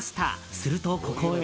すると、ここへ。